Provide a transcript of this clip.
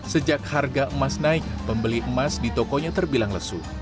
sejak harga emas naik pembeli emas di tokonya terbilang lesu